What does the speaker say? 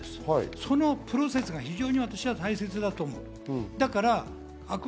そのプロセスが非常に大切だと思うんです。